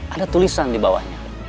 ada tulisan di bawahnya